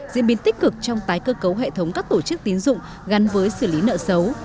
diễn biến tích cực trong tái cơ cấu hệ thống các tổ chức tín dụng gắn với xử lý nợ xấu